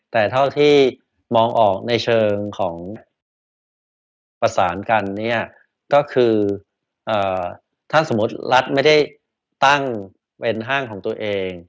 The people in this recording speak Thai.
แต่เท่าที่มองออกในเชิงของการประสานกันเนี่ยก็คือถ้าสมมติรัฐไม่ได้ตั้งเป็นห้างของตัวเอง